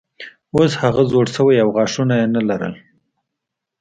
اوس هغه زوړ شوی و او غاښونه یې نه لرل.